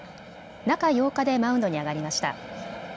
中８日でマウンドに上がりました。